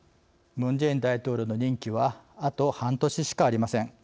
ムン・ジェイン大統領の任期はあと半年しかありません。